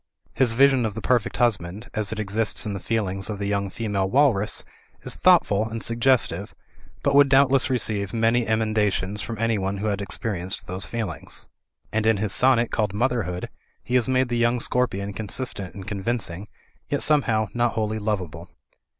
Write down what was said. His vision of the perfect husband, as it exists in the feelings of the young female walrus, is thoughtful and suggestive ; but would doubtless receive many emenda tions from anyone who had experienced those feelings. And in his sonnet called "Motherhood" he has made the young scorpion consistent and convincing, yet somehow not wholly lovable.